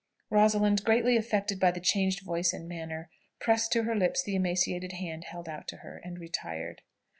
Rosalind, greatly affected by the changed voice and manner, pressed to her lips the emaciated hand held out to her, and retired.